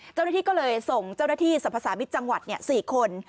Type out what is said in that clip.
เจ้าหน้าที่ก็เลยส่งเจ้าหน้าที่สรรพสามิตรจังหวัด๔คน